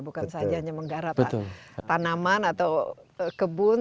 bukan saja hanya menggarap tanaman atau kebun